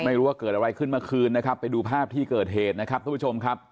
ไม่รู้ว่าเกิดอะไรขึ้นเมื่อคืนนะครับไปดูภาพที่เกิดเหตุนะครับทุกผู้ชมครับ